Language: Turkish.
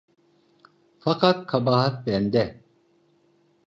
Fakat kabahat bende…